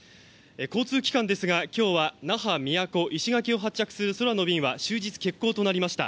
交通機関ですが今日は那覇、宮古石垣を発着する空の便は終日欠航となりました。